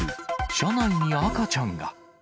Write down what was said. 車内に赤ちゃんが。